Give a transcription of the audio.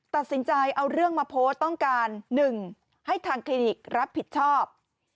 ตัดสินใจเอาเรื่องมาโพสต์ต้องการ๑ให้ทางคลินิกรับผิดชอบ